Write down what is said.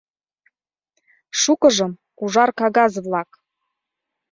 Шукыжым ужар кагаз-влак.